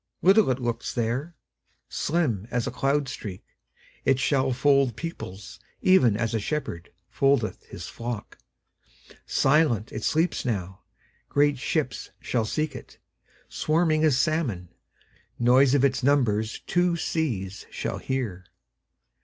Little it looks there, Slim as a cloud streak; It shall fold peoplesEven as a shepherdFoldeth his flock. Silent it sleeps now; Great ships shall seek it, Swarming as salmon; Noise of its numbersTwo seas shall hear.